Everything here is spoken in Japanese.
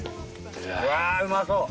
うわうまそう。